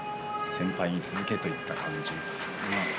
先輩に続けといった感じですね。